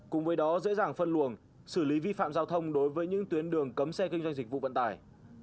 cùng với đó dễ dàng phân luồng xử lý vi phạm giao thông đối với những tuyến đường cấm xe kinh doanh dịch vụ vận tải